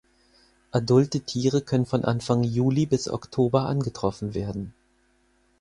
Adulte Tiere können von Anfang Juli bis Oktober angetroffen werden.